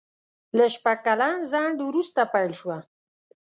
له شپږ کلن ځنډ وروسته پېل شوه.